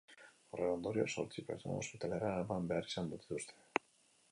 Horren ondorioz, zortzi pertsona ospitalera eraman behar izan dituzte.